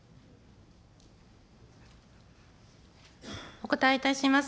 お答えいたします。